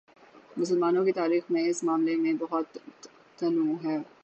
مسلمانوں کی تاریخ میں اس معاملے میں بہت تنوع ہے۔